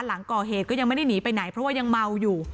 หลังก่อเหตุก็ยังไม่ได้หนีไปไหนเพราะว่ายังเมาอยู่